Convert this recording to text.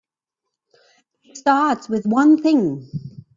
It start with one thing.